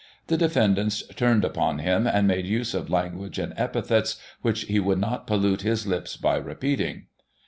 The defendants turned upon him, and made use of language and epithets which he would not pollute his lips by repeating.